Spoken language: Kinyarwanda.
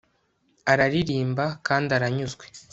araririmba, kandi aranyuzwe